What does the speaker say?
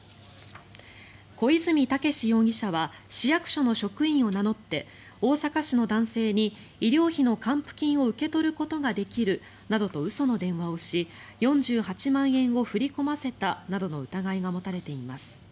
小出水武志容疑者は市役所の職員を名乗って大阪市の男性に医療費の還付金を受け取ることができるなどと嘘の電話をし４８万円を振り込ませたなどの疑いが持たれています。